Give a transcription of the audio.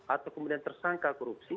atau kemudian tersangka korupsi